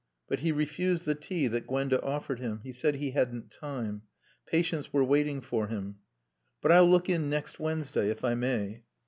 But he refused the tea that Gwenda offered him. He said he hadn't time. Patients were waiting for him. "But I'll look in next Wednesday, if I may."